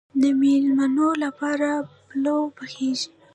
د میلمنو لپاره پلو پخیږي.